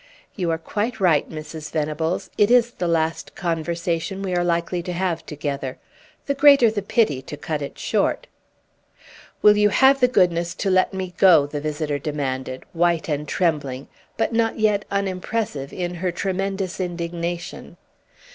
"You are quite right, Mrs. Venables. It is the last conversation we are likely to have together. The greater the pity to cut it short!" "Will you have the goodness to let me go?" the visitor demanded, white and trembling, but not yet unimpressive in her tremendous indignation.